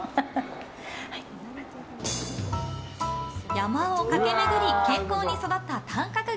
山を駆け巡り健康に育った短角牛。